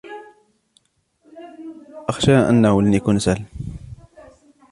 أخشي أنهُ لن يكون سهلاً.